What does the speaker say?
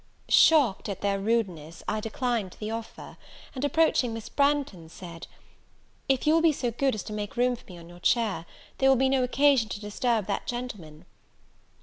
Shocked at their rudeness, I declined the offer; and, approaching Miss Branghton, said, "If you will be so good as to make room for me on your chair, there will be no occasion to disturb that gentleman."